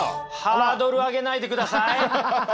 ハードル上げないでください。